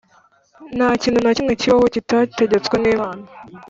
nta kintu na kimwe kibaho kitategetswe n’imana